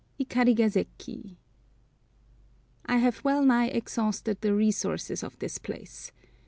IKARIGASEKI. I HAVE well nigh exhausted the resources of this place.